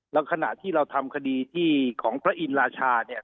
แล้วขณะที่เราทำคดีที่ของพระอินราชาเนี่ย